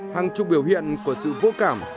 hàng chục biểu hiện của sự vô cảm